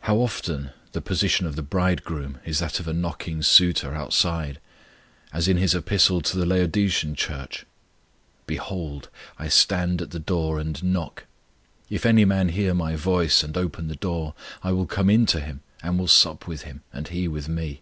How often the position of the Bridegroom is that of a knocking Suitor outside, as in His epistle to the Laodicean Church: "Behold, I stand at the door, and knock: if any man hear My voice, and open the door, I will come in to him, and will sup with him, and he with Me."